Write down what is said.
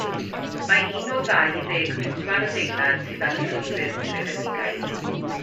Mae'n un o ddau ddeg pedwar adeilad sydd ar y Llwybr Trefedigaeth.